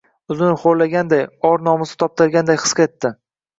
O‘zini xo‘rlanganday, or-nomusi toptalganday his etdi